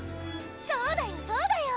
そうだよそうだよ！